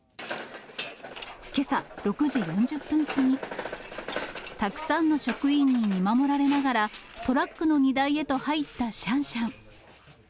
けさ６時４０分過ぎ、たくさんの職員に見守られながら、トラックの荷台へと入ったシャンシャン。